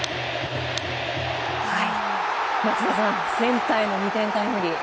松田さんセンターへの２点タイムリー。